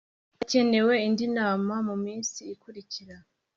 Hacyenewe indi nama mu minsi ikurikira